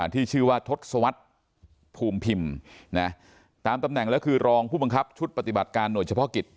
ที่ชื่อว่าทศวรรษภูมิพิมพ์ตามตำแหน่งแล้วคือรองผู้บังคับชุดปฏิบัติการหน่วยเฉพาะกิจ